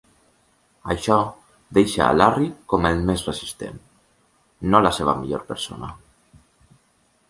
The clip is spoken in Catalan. Això deixa a Larry com el més resistent, no la seva millor persona.